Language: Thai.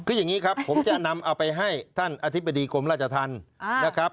คืออย่างนี้ครับผมจะนำเอาไปให้ท่านอธิบดีกรมราชธรรมนะครับ